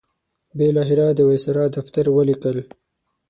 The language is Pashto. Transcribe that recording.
بالاخره د وایسرا دفتر ولیکل.